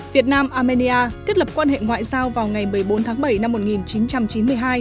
việt nam armenia thiết lập quan hệ ngoại giao vào ngày một mươi bốn tháng bảy năm một nghìn chín trăm chín mươi hai